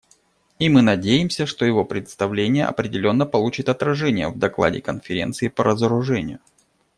И мы надеемся, что его представление определенно получит отражение в докладе Конференции по разоружению.